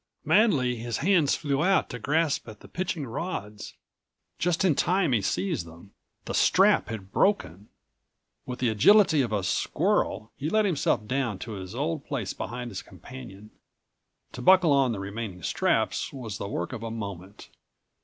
Madly his hands flew out to grasp at the pitching rods. Just in time he seized them; the strap had broken. With the agility of a squirrel he let himself down to his old place behind his companion. To buckle on the remaining straps was the work of a moment.